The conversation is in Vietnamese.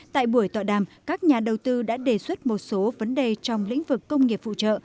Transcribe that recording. tại buổi tọa đàm các nhà đầu tư đã đề xuất một số vấn đề trong lĩnh vực công nghiệp phụ trợ